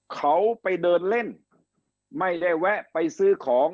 เขาไปเดินเล่นไม่ได้แวะไปซื้อของ